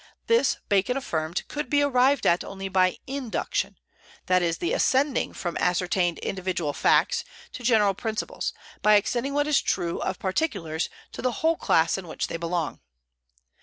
This Bacon affirmed could be arrived at only by induction; that is, the ascending from ascertained individual facts to general principles, by extending what is true of particulars to the whole class in which they belong.